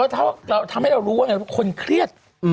ถ้าทำให้เรารู้ว่าคนเครียด